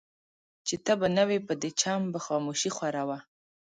چي ته به نه وې په دې چم به خاموشي خوره وه